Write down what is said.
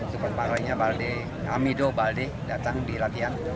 superparlinya amido balde datang di latihan